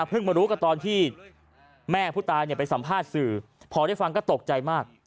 มารู้กันตอนที่แม่ผู้ตายไปสัมภาษณ์สื่อพอได้ฟังก็ตกใจมาก